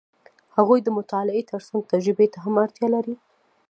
هغوی د مطالعې ترڅنګ تجربې ته هم اړتیا لري.